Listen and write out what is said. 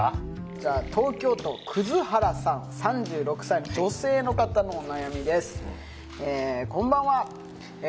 じゃあ東京都くずはらさん３６歳の女性の方のお悩みです。